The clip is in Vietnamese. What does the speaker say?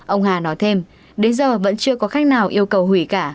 ông hà nói thêm đến giờ vẫn chưa có khách nào yêu cầu hủy cả